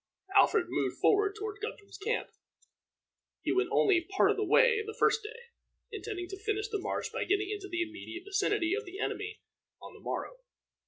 Alfred moved forward toward Guthrum's camp. He went only a part of the way the first day, intending to finish the march by getting into the immediate vicinity of the enemy on the morrow.